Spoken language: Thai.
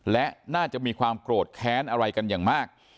และน่าจะมีความโกรธแค้นอะไรกันอย่างมาก